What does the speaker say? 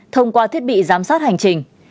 thông qua thiết bị giám sát hành trình